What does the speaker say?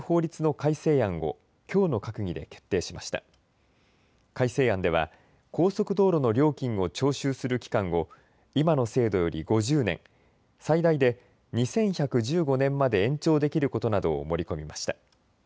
改正案では高速道路の料金を徴収する期間を今の制度より５０年、最大で２１１５年まで延長できることなどを盛り込みました。